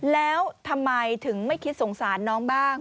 แล้วทำไมถึงไม่คิดสงสารน้องบ้าง